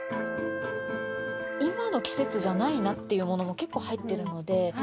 今の季節じゃないなっていうものも、結構入ってるので。